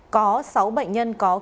có sáu bệnh nhân có kết thúc